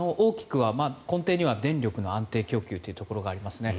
根底には電力の安定供給というのがありますね。